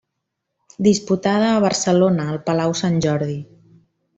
Disputada a Barcelona al Palau Sant Jordi.